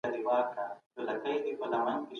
دښمن ته فرصت مه ورکوئ.